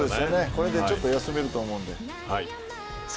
これでちょっと休めると思うんでね。